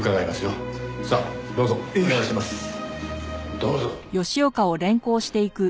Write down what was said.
どうぞ！